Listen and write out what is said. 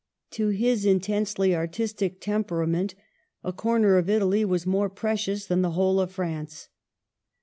To his intensely artistic tem perament a corner of Italy was more precious than the whole of France.